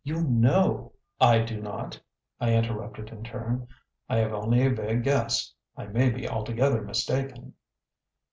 "You know " "I do not," I interrupted in turn. "I have only a vague guess; I may be altogether mistaken."